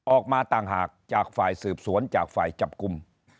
ออกมาต่างหากจากฝ่ายสืบสวนจากฝ่ายจับกลุ่ม